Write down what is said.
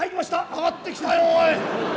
上がってきたよおい。